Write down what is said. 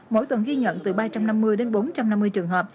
mỗi tuần ghi nhận từ ba trăm năm mươi đến bốn trăm năm mươi trường hợp